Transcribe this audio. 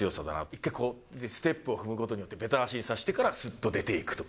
一回ステップを踏むことによって、べた足にさせてから、すっと出ていくと。